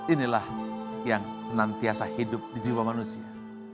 inilah yang senantiasa hidup di jiwa manusia